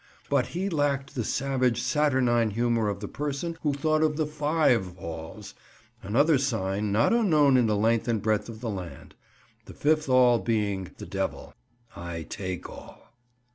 But he lacked the savage, saturnine humour of the person who thought of the "Five Alls," another sign not unknown in the length and breadth of the land. The Fifth All being the Devil: "I take all!"